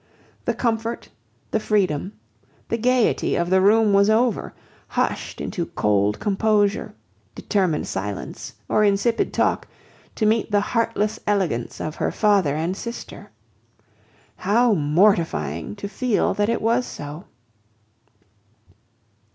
The comfort, the freedom, the gaiety of the room was over, hushed into cold composure, determined silence, or insipid talk, to meet the heartless elegance of her father and sister. How mortifying to feel that it was so!